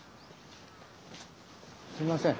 すみません。